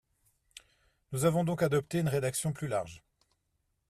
Nous avons donc adopté une rédaction plus large.